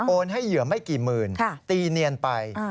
ให้เหยื่อไม่กี่หมื่นตีเนียนไป